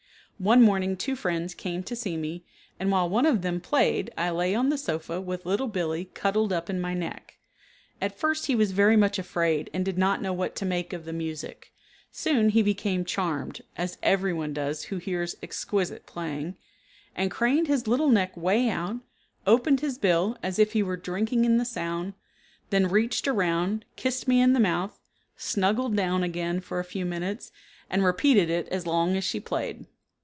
One morning two friends came to see me, and while one of them played I lay on the sofa with Little Billee cuddled up in my neck. At first he was very much afraid and did not know what to make of the music. Soon he became charmed (as everyone does who hears exquisite playing) and craned his little neck way out, opened his bill, as if he were drinking in the sound, then reached around, kissed me in the mouth, snuggled down again, for a few minutes, and repeated it as long as she played.